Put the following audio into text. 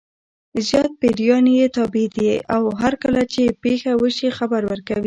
زیات پیریان یې تابع دي او هرکله چې پېښه وشي خبر ورکوي.